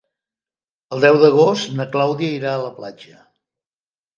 El deu d'agost na Clàudia irà a la platja.